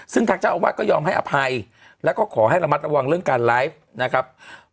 ซึ่งทางเจ้าอาวาสก็ยอมให้อภัยแล้วก็ขอให้ระมัดระวังเรื่องการไลฟ์นะครับ